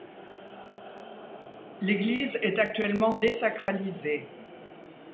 L'église est actuellement désacralisée.